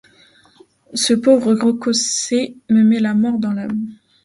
Ce pauvre gros Cossé me met la mort dans l’âme.